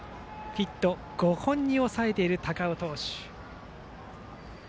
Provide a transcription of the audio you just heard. ヒット５本に抑えている高尾投手。